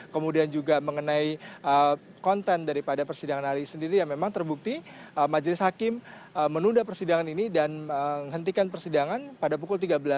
kemudian juga mengenai konten daripada persidangan hari ini sendiri yang memang terbukti majelis hakim menunda persidangan ini dan menghentikan persidangan pada pukul tiga belas